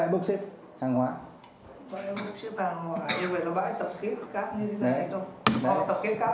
bãi bốc xếp hàng hóa như vậy là bãi tập kết cát như thế này không